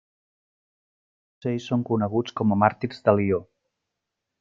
Tot ells són coneguts com a Màrtirs de Lió.